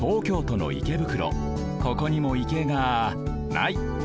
ここにも池がない。